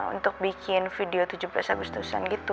untuk bikin video tujuh belas agustus nanti